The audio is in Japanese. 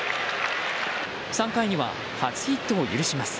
３回には初ヒットを許します。